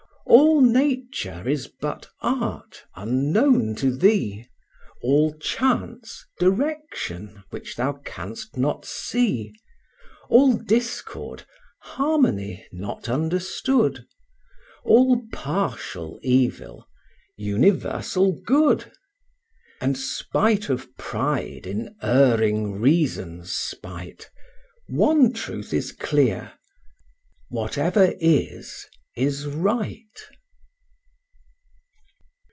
All nature is but art, unknown to thee; All chance, direction, which thou canst not see; All discord, harmony not understood; All partial evil, universal good: And, spite of pride in erring reason's spite, One truth is clear, whatever is, is right.